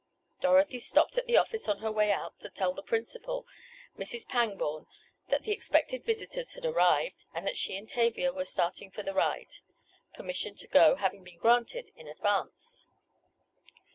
Dorothy stopped at the office on her way out to tell the principal, Mrs. Pangborn, that the expected visitors had arrived, and that she and Tavia were starting for the ride, permission to go having been granted in advance.